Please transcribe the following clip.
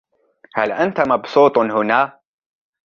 هل أنت مبسوط هنا ؟